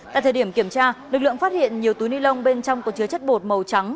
tại thời điểm kiểm tra lực lượng phát hiện nhiều túi ni lông bên trong có chứa chất bột màu trắng